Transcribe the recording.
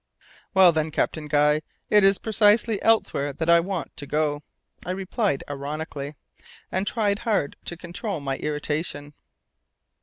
"Well, then, Captain Guy, it is precisely elsewhere that I want to go," I replied ironically, and trying hard to control my irritation.